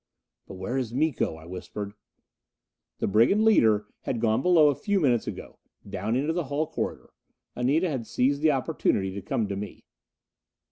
"But where is Miko?" I whispered. The brigand leader had gone below a few moments ago, down into the hull corridor. Anita had seized the opportunity to come to me.